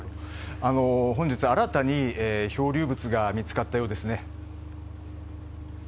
本日、新たに漂流物が見つかったようですね。